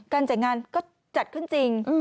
การแต่งงานก็จัดขึ้นจริง